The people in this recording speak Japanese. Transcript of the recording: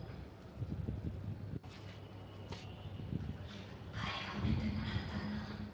いっぱい褒めてもらったなぁ。